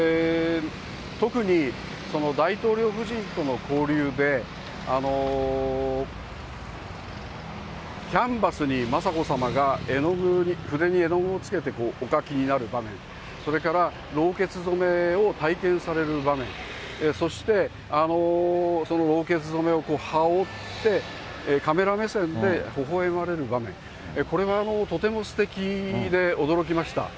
特に、大統領夫人との交流で、キャンバスに雅子さまが絵の具に、筆に絵の具をつけておかきになる場面、それからろうけつ染めを体験される場面、そして、そのろうけつ染めを羽織って、カメラ目線でほほえまれる場面、これはとてもすてきで驚きました。